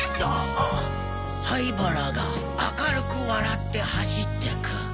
あ灰原が明るく笑って走ってく！？